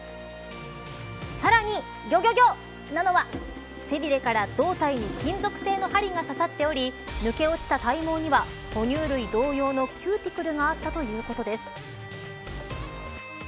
さらにギョギョギョなのは背びれから胴体に金属製の針が刺さっており抜け落ちた体毛には哺乳類同様のキューティクルがあったということです。